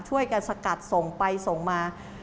ช่วยกันสกัดส่งไปส่งมา